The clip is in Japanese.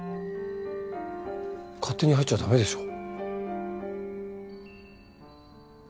勝手に入っちゃ駄目でしょ？